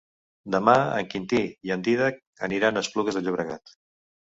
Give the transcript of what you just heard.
Demà en Quintí i en Dídac aniran a Esplugues de Llobregat.